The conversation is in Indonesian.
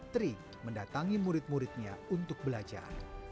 tri mendatangi murid muridnya untuk belajar